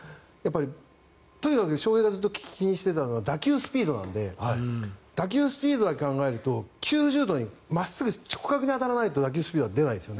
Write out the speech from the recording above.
ただ、とにかく翔平がずっと気にしていたのは打球スピードなので打球スピードだけ考えると９０度に真っすぐ直角に当たらないと打球スピードは出ないんです。